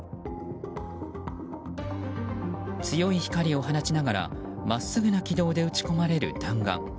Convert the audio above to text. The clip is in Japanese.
強い光を放ちながら真っすぐな軌道で撃ち込まれる弾丸。